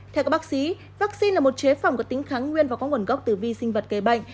theo các bác sĩ vaccine là một chế phòng có tính kháng nguyên và có nguồn gốc từ vi sinh vật kế bệnh